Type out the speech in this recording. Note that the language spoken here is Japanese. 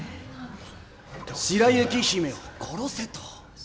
「白雪姫を殺せ」と！